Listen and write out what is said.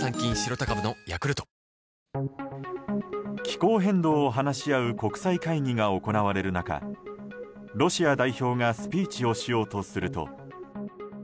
気候変動を話し合う国際会議が行われる中ロシア代表がスピーチをしようとすると。